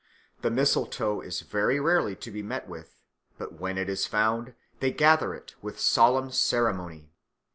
The mistletoe is very rarely to be met with; but when it is found, they gather it with solemn ceremony.